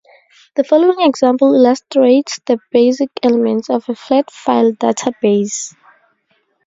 The following example illustrates the basic elements of a flat-file database.